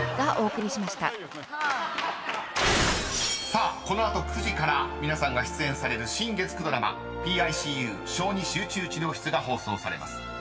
［さあこの後９時から皆さんが出演される新月９ドラマ『ＰＩＣＵ小児集中治療室』が放送されます］